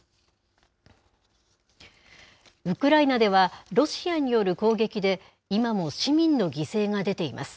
ウクライナではロシアによる攻撃で、今も市民の犠牲が出ています。